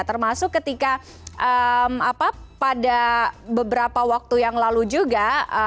termasuk ketika pada beberapa waktu yang lalu juga